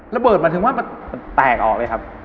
ระเบิดหมายถึงว่ามันแตกออกเลยครับ